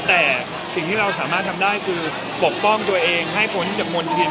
แต่สิ่งที่เราสามารถทำได้คือปกป้องตัวเองให้พ้นจากมณฑิน